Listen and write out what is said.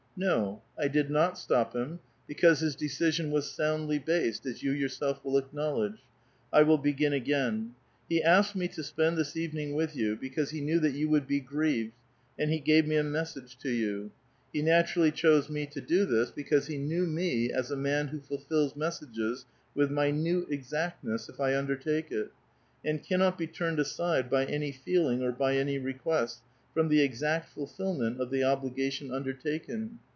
No ; 1 did not stop him, be cause his decision was soundly based, as you yourself will acknowledge. I will begin again : he asked me to spend this evening with you, because he knew that 3'OU would be grieved, and he gave me a message to you. He naturally chose me to do this, because he knew me as a man who ful fils messages with minute exactness, if I undertake it ; and cannot be turned aside by any feeling or by any requests, from the exact fulfilment of the obligation undertaken.